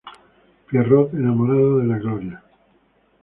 Pierrot enamorado de la Gloria.